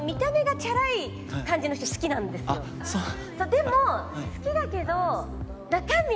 でも好きだけど。